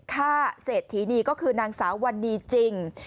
เศรษฐีนีก็คือนางสาววันนี้จริง